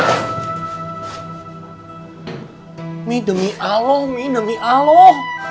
kami demi allah kami demi allah